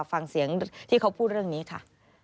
ฟังเสียงที่เขาพูดเรื่องนี้ค่ะ